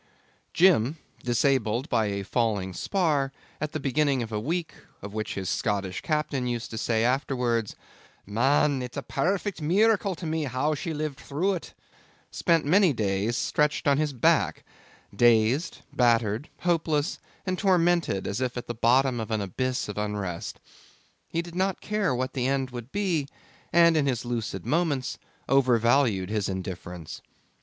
Jim, disabled by a falling spar at the beginning of a week of which his Scottish captain used to say afterwards, 'Man! it's a pairfect meeracle to me how she lived through it!' spent many days stretched on his back, dazed, battered, hopeless, and tormented as if at the bottom of an abyss of unrest. He did not care what the end would be, and in his lucid moments overvalued his indifference.